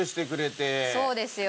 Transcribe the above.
そうですよ。